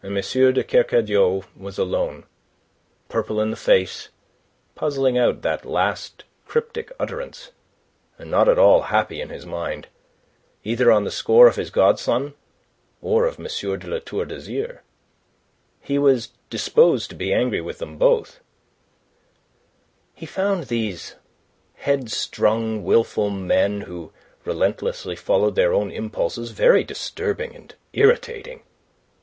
de Kercadiou was alone, purple in the face, puzzling out that last cryptic utterance, and not at all happy in his mind, either on the score of his godson or of M. de La Tour d'Azyr. He was disposed to be angry with them both. He found these headstrong, wilful men who relentlessly followed their own impulses very disturbing and irritating.